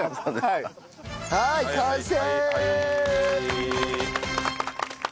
はい完成！